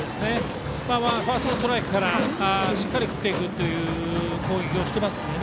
ファーストストライクからしっかり振っていくという攻撃をしていますので。